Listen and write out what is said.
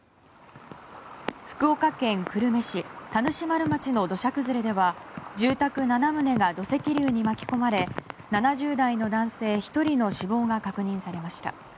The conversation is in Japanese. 福岡県久留米市田主丸町の土砂崩れでは住宅７棟が土石流に巻き込まれ７０代の男性１人の死亡が確認されました。